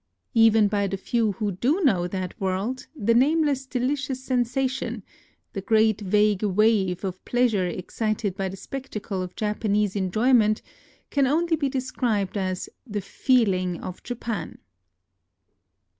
Even by the few who do know that world, the nameless delicious sensation, the great vague wave of pleasure excited by the spectacle of Japanese enjoyment, can only be described as the feel ing of Japan.